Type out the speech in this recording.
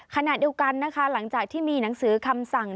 ขณะเดียวกันนะคะหลังจากที่มีหนังสือคำสั่ง